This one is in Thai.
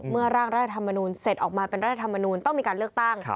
ร่างรัฐธรรมนูลเสร็จออกมาเป็นรัฐธรรมนูลต้องมีการเลือกตั้ง